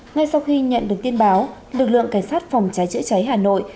ngay sau khi nhận được tin báo lực lượng cảnh sát phòng cháy chữa cháy hà nội